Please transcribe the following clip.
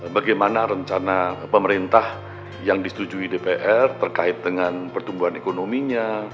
bagaimana rencana pemerintah yang disetujui dpr terkait dengan pertumbuhan ekonominya